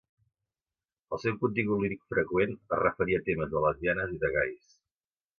El seu contingut líric freqüent es referia a temes de lesbianes i de gais.